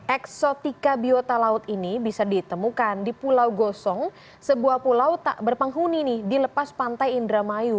eksotika biota laut ini bisa ditemukan di pulau gosong sebuah pulau tak berpenghuni nih di lepas pantai indramayu